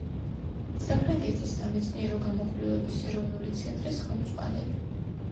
საფრანგეთის სამეცნიერო გამოკვლევების ეროვნული ცენტრის ხელმძღვანელი.